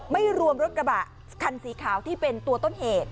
ไม่รวมรถกระบะคันสีขาวที่เป็นตัวต้นเหตุ